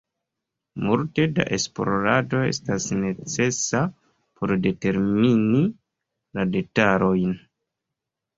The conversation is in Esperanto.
Multe da esplorado estas necesa por determini la detalojn.